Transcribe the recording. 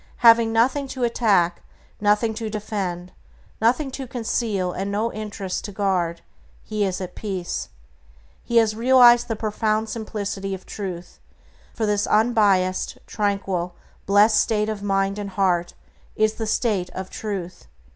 Having nothing to attack, nothing to defend, nothing to conceal, and no interests to guard, he is at peace. He has realized the profound simplicity of Truth, for this unbiased, tranquil, blessed state of mind and heart is the state of Truth.